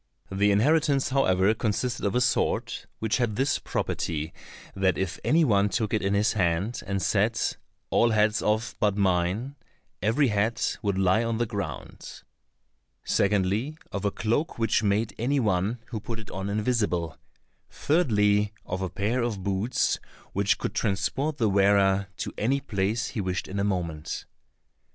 The inheritance, however, consisted of a sword, which had this property that if any one took it in his hand, and said, "All heads off but mine," every head would lie on the ground; secondly, of a cloak which made any one who put it on invisible; thirdly, of a pair of boots which could transport the wearer to any place he wished in a moment.